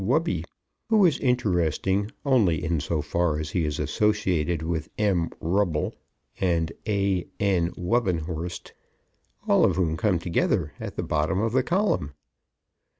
Wubbe_, who is interesting only in so far as he is associated with M. Wrubel and A.N. Wubbenhorst, all of whom come together at the bottom of the column.